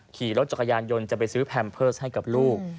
ขี่รถจักรยานยนต์จะไปซื้อแพมเพิร์สให้กับลูก